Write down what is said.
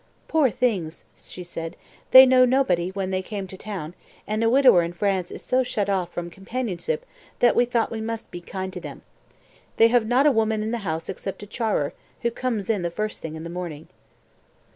"Poor things!" she said, "they knew nobody when they came to the town, and a widower in France is so shut off from companionship that we thought we must be kind to them. They have not a woman in the house except a charer, who comes in the first thing in the morning."